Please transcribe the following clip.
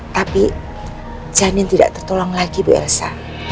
tapi janin tidak tertolong lagi bu elsa